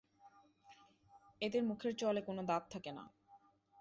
এদের মুখের চোয়ালে কোনো দাঁত থাকে না।